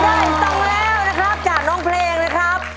ด้ายสังเล่านะครับจากน้องเพลงนะครับ